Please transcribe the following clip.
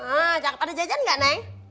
nah cakep ada jajan gak neng